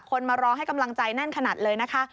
มารอให้กำลังใจแน่นขนาดเลยนะคะ